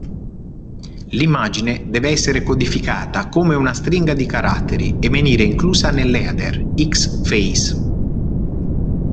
L'immagine deve essere codificata come una stringa di caratteri e venire inclusa nell'header 'X-Face:'.